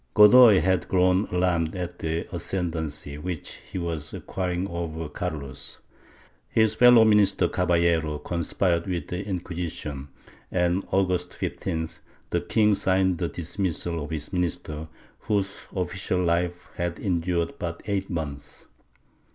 Godoy had grown alarmed at the ascendancy which he was acquiring over Carlos; his fellow minister Caballero conspired with the Inquisition, and on August 15th the king signed the dismissal of his minister, whose official life had endured but eight months.